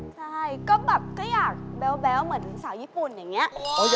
ใช่ก็อยากแบ๊วเหมือนสาวญี่ปุ่นเนี่ย